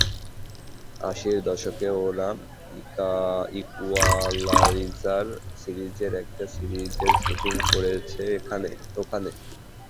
আশির দশকে ওরা ইকুয়ালাইজার সিরিজের একটা সিরিজের শুটিং করেছে এখানে।